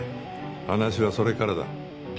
話はそれからだ。